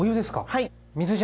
はい。